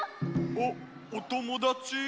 おっおともだち？